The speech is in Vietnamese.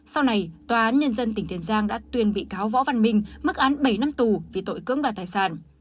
sau này tòa án nhân dân tỉnh tiền giang đã tuyên bị cáo võ văn minh mức án bảy năm tù vì tội cưỡng đoạt tài sản